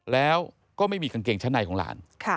แล้วก็ไม่มีกางเกงชั้นในของหลาน